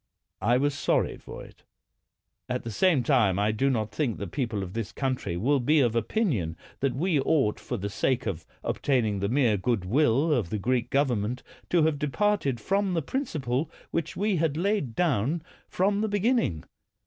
I was sorry for it; at the same time I do not think the people of this country will be of opinion that we ought, for the sake of obtaining the mere good will of the Greek government, to have departed from the principle which we had laid down from the be ginning.